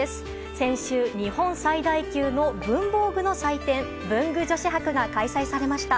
先週、日本最大級の文房具の祭典、文具女子博が開催されました。